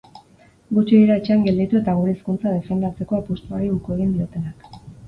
Gutxi dira etxean gelditu eta gure hizkuntza defendatzeko apustuari uko egin diotenak.